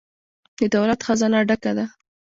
د دولت خزانه ډکه ده؟